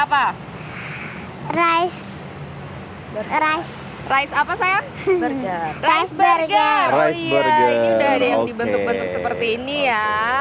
yang dibentuk bentuk seperti ini ya